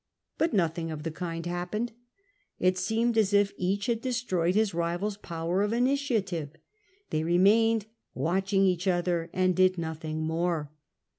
But nothing of the kind happened; it seemed as if each had destroyed his rival's power of initiative. They remained watching each other and did nothing more.